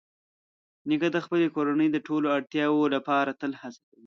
نیکه د خپلې کورنۍ د ټولو اړتیاوو لپاره تل هڅه کوي.